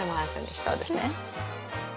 はいそうですね。